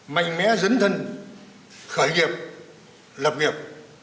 mạnh mẽ dấn thân khởi nghiệp lập nghiệp